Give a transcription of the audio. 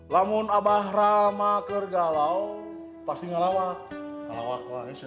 lamun abahrama kergalau pasti ngalawa kalau aku aja